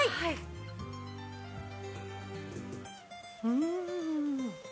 うん！